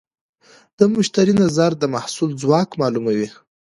د مشتری نظر د محصول ځواک معلوموي.